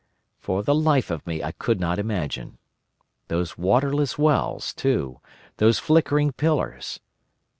_ For the life of me I could not imagine. Those waterless wells, too, those flickering pillars.